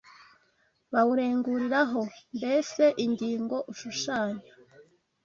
bawurenguriraho mbese ingingo ushushanya